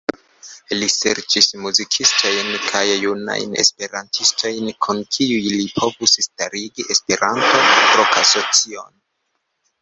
Li serĉis muzikistojn kaj junajn Esperantistojn, kun kiuj li povus starigi Esperanto-rokasocion.